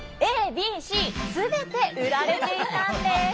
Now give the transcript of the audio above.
ＡＢＣすべて売られていたんです。